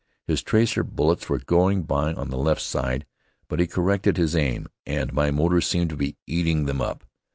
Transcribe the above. His tracer bullets were going by on the left side, but he corrected his aim, and my motor seemed to be eating them up.